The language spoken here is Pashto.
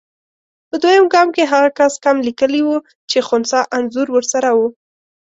په دویم ګام کې هغه کس کم لیکلي وو چې خنثی انځور ورسره وو.